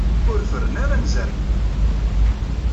Ur ferren ara anzaren-ik!